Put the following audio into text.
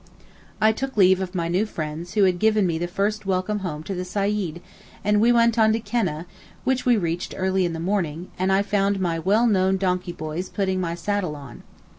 I took leave of my new friends who had given me the first welcome home to the Saeed, and we went on to Keneh, which we reached early in the morning, and I found my well known donkey boys putting my saddle on.